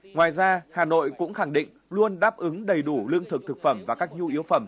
ngoài ra hà nội cũng khẳng định luôn đáp ứng đầy đủ lương thực thực phẩm và các nhu yếu phẩm